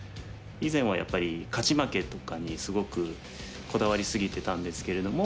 以前はやっぱり勝ち負けとかにすごくこだわり過ぎてたんですけれども。